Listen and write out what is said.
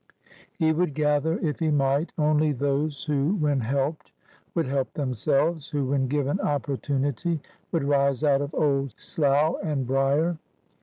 He would gather, if he might, only those who when helped would help themselves — who when given opportunity would rise out of old slough and briar.